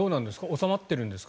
収まっているんですか